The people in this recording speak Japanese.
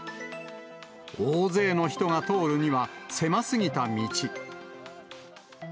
大勢の人が通るには、狭すぎた道。